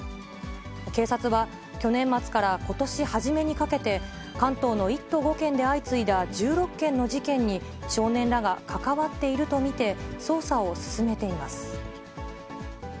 警察は、去年末からことし初めにかけて関東の１都５県で相次いだ１６件の事件に少年らが関わっていると見て、捜査を進めています。